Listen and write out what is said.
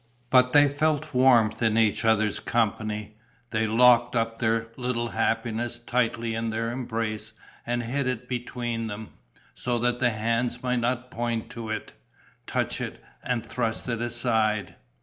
But they felt warm in each other's company; they locked up their little happiness tightly in their embrace and hid it between them, so that the hands might not point to it, touch it and thrust it aside....